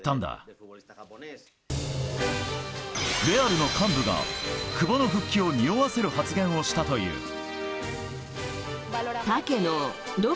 レアルの幹部が久保の復帰をにおわせる発言をしたという。